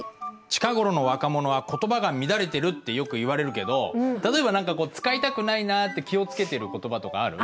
近頃の若者は言葉が乱れてるってよく言われるけど例えば何かこう使いたくないなぁって気を付けてる言葉とかある？